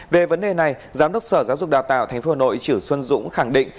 về vấn đề này giám đốc sở giáo dục đào tạo tp hà nội chử xuân dũng khẳng định